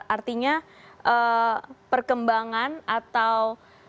artinya perkembangan atau